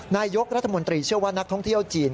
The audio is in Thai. นายกรัฐมนตรีเชื่อว่านักท่องเที่ยวจีน